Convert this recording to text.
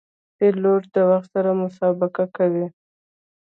پیلوټ د وخت سره مسابقه کوي.